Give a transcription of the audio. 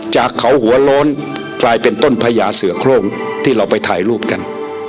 จากเขาหัวโล้นกลายเป็นต้นพญาเสือโครงที่เราไปถ่ายรูปกัน